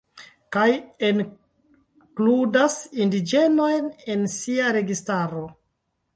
Kaj enkludas indiĝenojn en sia registaro.